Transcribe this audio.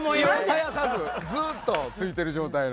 絶やさずずっとついてる状態の。